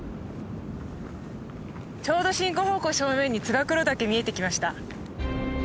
ちょうど進行方向正面に燕岳見えてきました。